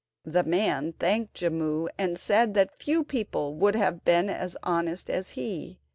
The man thanked Jimmu, and said that few people would have been as honest as he.